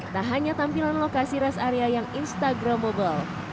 tak hanya tampilan lokasi rest area yang instagramable